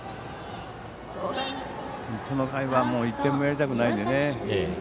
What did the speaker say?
この回は１点もやりたくないのでね